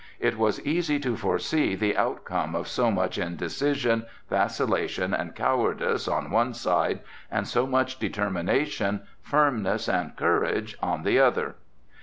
It was easy to foresee the outcome of so much indecision, vacillation and cowardice on one side, and of so much determination, firmness and courage on the other.